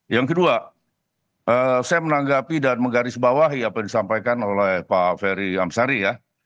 yang kedua saya menanggapi dan menggarisbawahi apa yang disampaikan oleh pak ferry amsari ya